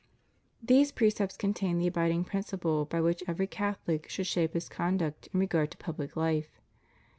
These precepts contain the abiding principle by which every Catholic should shape his conduct in regard to public life.